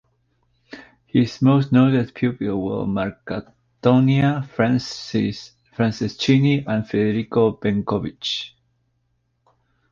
His most noted pupils were Marcantonio Franceschini and Federico Bencovich.